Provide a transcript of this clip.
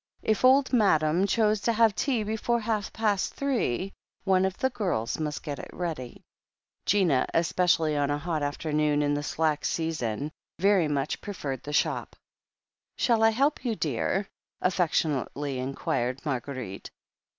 If Old Madam chose to have tea before half past three one of the girls must get it ready. Gina, especially on a hot afternoon in the slack sea son, very much preferred the shop. "Shall I help you, dear?" affectionately inquired Marguerite.